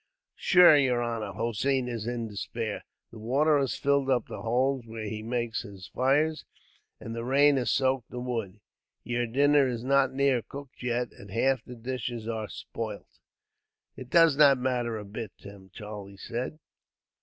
"Shure, yer honor, Hossein is in despair. The water has filled up the holes, where he makes his fires, and the rain has soaked the wood. Yer dinner is not near cooked yet, and half the dishes are spoilt." "It does not matter a bit, Tim," Charlie said.